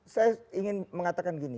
saya ingin mengatakan gini